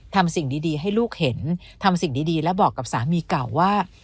ทำสิ่งดีให้ลูกเห็นทำสิ่งดีและบอกกับสามีเก่าว่า